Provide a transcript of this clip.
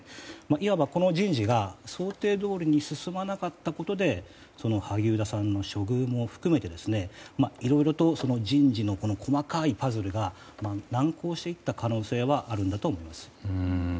いわば、この人事が想定どおりに進まなかったことで萩生田さんの処遇も含めていろいろと人事の細かいパズルが難航していった可能性はあるんだと思います。